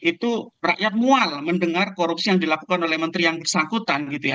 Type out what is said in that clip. itu rakyat mual mendengar korupsi yang dilakukan oleh menteri yang bersangkutan gitu ya